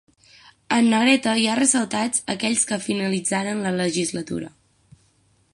En negreta hi ha ressaltats aquells que finalitzaren la legislatura.